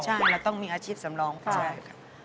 ใช่เราต้องมีอาชีพสำรองค่ะูพิมานพี่ป๊ากก็เช่นกัน